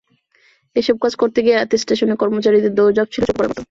এসব কাজ করতে গিয়ে রাতে স্টেশনে কর্মচারীদের দৌড়ঝাঁপ ছিল চোখে পড়ার মতো।